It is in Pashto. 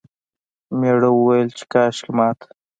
میړه وویل چې کاشکې مات...